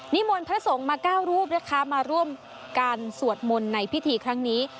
มนต์พระสงฆ์มา๙รูปนะคะมาร่วมการสวดมนต์ในพิธีครั้งนี้